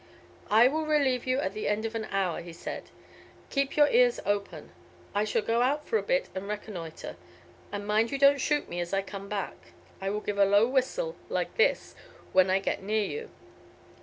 "I will relieve you at the end of an hour," he said. "Keep your ears open. I shall go out for a bit and reconnoitre, and mind you don't shoot me as I come back. I will give a low whistle, like this, when I get near you.